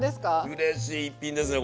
うれしい１品ですね